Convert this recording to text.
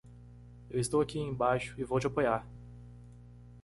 Eu estou aqui embaixo e vou te apoiar.